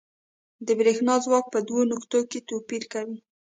د برېښنا ځواک په دوو نقطو کې توپیر کوي.